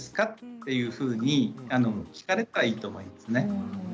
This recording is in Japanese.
というふうに聞かれたらいいと思いますね。